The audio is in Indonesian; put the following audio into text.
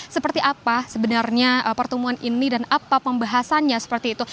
seperti apa sebenarnya pertemuan ini dan apa pembahasannya seperti itu